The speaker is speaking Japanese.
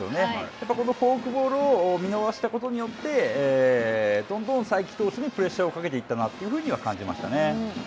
やっぱりこのフォークボールを見逃したことによってどんどん才木投手にプレッシャーをかけていったなというふうには感じましたね。